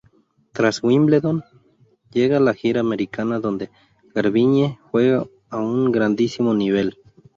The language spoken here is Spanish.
Tras Wimbledon, llega la gira americana donde Garbiñe juega a un grandísimo nivel.